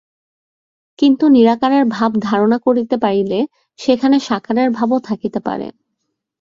কিন্তু নিরাকারের ভাব ধারণা করিতে পারিলে সেখানে সাকারের ভাবও থাকিতে পারে।